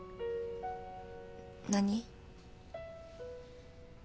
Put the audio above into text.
何？